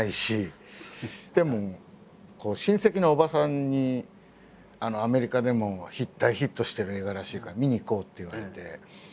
でも親戚のおばさんに「アメリカでも大ヒットしてる映画らしいから見に行こう」って言われて。